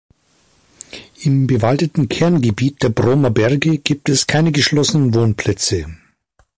Im bewaldeten Kerngebiet der Brohmer Berge gibt es keine geschlossenen Wohnplätze.